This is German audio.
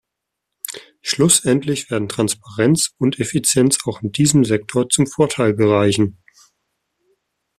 Schlussendlich werden Transparenz und Effizienz auch diesem Sektor zum Vorteil gereichen.